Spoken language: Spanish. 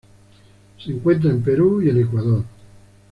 Se encuentra en Perú y en Ecuador.